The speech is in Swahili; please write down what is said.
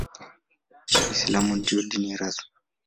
Uislamu ndio dini rasmi.